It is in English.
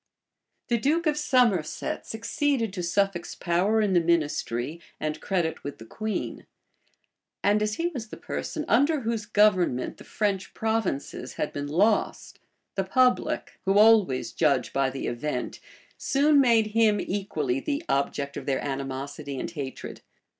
The duke of Somerset succeeded to Suffolk's power in the ministry, and credit with the queen; and as he was the person under whose government the French provinces had been lost, the public, who always judge by the event, soon made him equally the object of their animosity and hatred.